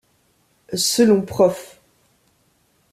Selon Prof.